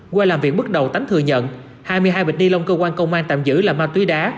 qua làm việc bước đầu ánh thừa nhận hai mươi hai bịch ni lông cơ quan công an tạm giữ là ma túy đá